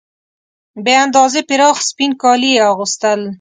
بې اندازې پراخ سپین کالي یې اغوستل.